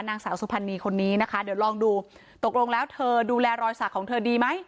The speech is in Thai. นางสาวสุพรรณีคนนี้นะคะเดี๋ยวลองดูตกลงแล้วเธอดูแลรอยสักของเธอดีไหม